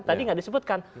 tadi nggak disebutkan